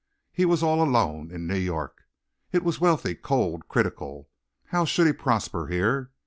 He was all alone in New York. It was wealthy, cold and critical. How should he prosper here?